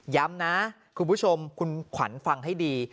ย้ำนะคุณผู้ชมคุณขวัญฟังให้ดี